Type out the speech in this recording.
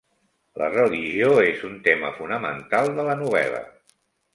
La religió és un tema fonamental de la novel·la.